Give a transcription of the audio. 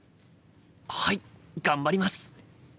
はい頑張ります！